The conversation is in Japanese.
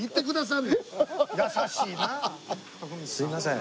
すみません。